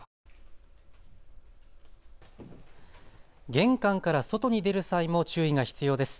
玄関から外に出る際も注意が必要です。